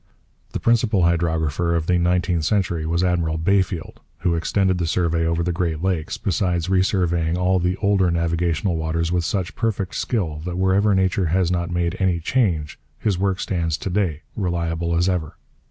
The principal hydrographer of the nineteenth century was Admiral Bayfield, who extended the survey over the Great Lakes, besides re surveying all the older navigational waters with such perfect skill that wherever nature has not made any change his work stands to day, reliable as ever.